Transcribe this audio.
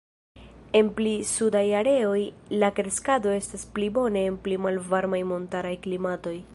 En pli sudaj areoj, la kreskado estas pli bone en pli malvarmaj montaraj klimatoj.